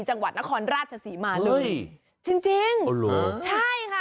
จังหวัดนครราชศรีมาลุจริงใช่ค่ะ